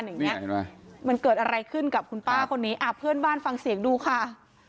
เห็นปะมันเกิดอะไรขึ้นกับคุณป้าคนนี้อ่ะเพื่อนบ้านฟังเสียงดูค่ะ